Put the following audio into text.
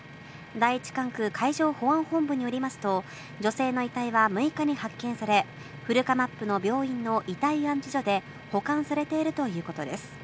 第１管区海上保安本部によりますと、女性の遺体は６日に発見され、古釜布の病院の遺体安置所で保管されているということです。